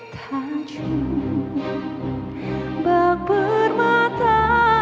tajun bak bermata